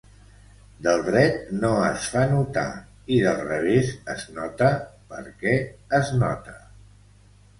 Del dret no es fa notar i del revés es nota perquè és nota.